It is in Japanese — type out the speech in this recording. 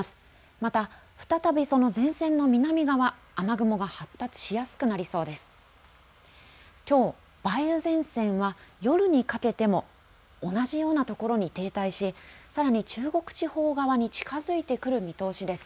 また再びその前線の南側雨雲が発達しやすくなりそうです。